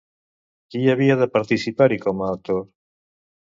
Qui havia de participar-hi com a actor?